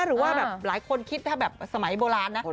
หรือว่าแบบหลายคนคิดถ้าแบบสมัยโบราณนะ